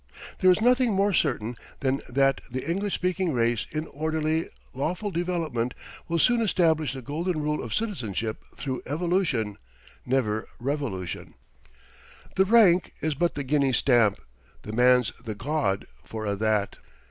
There is nothing more certain than that the English speaking race in orderly, lawful development will soon establish the golden rule of citizenship through evolution, never revolution: "The rank is but the guinea's stamp, The man's the gowd for a' that."